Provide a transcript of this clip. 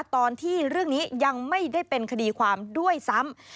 ตอนที่เรื่องนี้ยังไม่ได้เป็นคดีความด้วยซ้ำ